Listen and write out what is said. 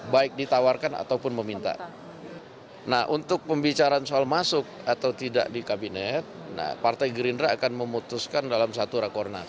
baik ditawarkan ataupun meminta nah untuk pembicaraan soal masuk atau tidak di kabinet partai gerindra akan memutuskan dalam satu rakornas